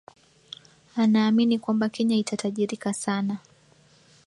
Anaamini kwamba Kenya itatajirika sana